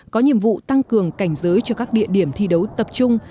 có nhiệm vụ tăng cường cảnh giới cho các địa điểm thi đấu tập trung